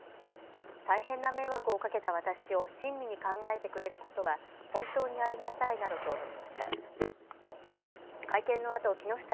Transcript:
大変な迷惑をかけた私を親身に考えてくれることは本当にありがたいなどと述べました。